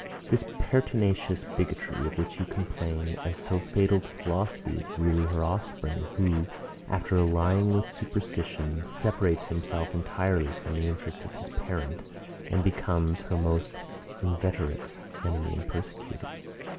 This pertinacious bigotry, of which you complain, as so fatal to philosophy, is really her offspring, who, after allying with superstition, separates himself entirely from the interest of his parent, and becomes her most inveterate enemy and persecutor.